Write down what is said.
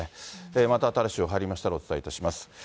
また新しい情報、入りましたらお伝えいたします。